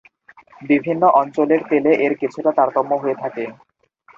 বিভিন্ন অঞ্চলের তেলে এর কিছুটা তারতম্য হয়ে থাকে।